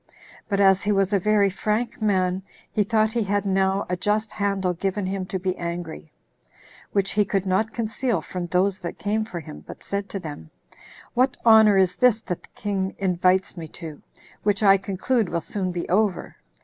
But as he was a very frank man, he thought he had now a just handle given him to be angry; which he could not conceal from those that came for him, but said to them, "What honor is this the king invites me to, which I conclude will soon be over?